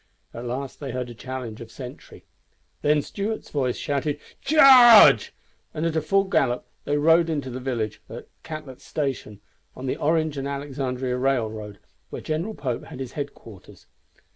At last they heard a challenge of sentry. Then Stuart's voice shouted, "Charge!" and at full gallop they rode into the village at Catlet's Station on the Orange and Alexandria railroad, where General Pope had his headquarters.